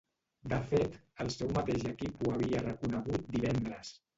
De fet, el seu mateix equip ho havia reconegut divendres.